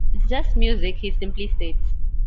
"It's just music," he simply states.